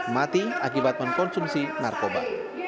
mati akibat mengkonsumsi narkoba